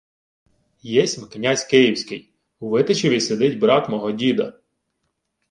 — Єсмь князь київський. У Витичеві сидить брат мого діда.